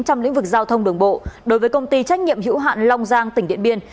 trong lĩnh vực giao thông đường bộ đối với công ty trách nhiệm hữu hạn long giang tỉnh điện biên